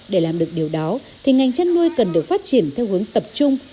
để làm được điều đó thì ngành chăn nuôi cần được phát triển theo hướng tập trung